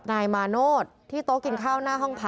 เข้าออกไปแล้ว